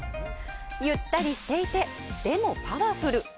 ゆったりしていて、でもパワフル。